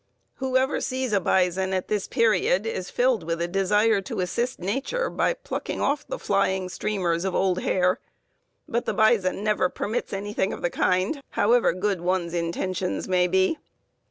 Whoever sees a bison at this period is filled with a desire to assist nature by plucking off the flying streamers of old hair; but the bison never permits anything of the kind, however good one's intentions may be.